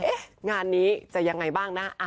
งานนี้จะยังไงบ้างนะ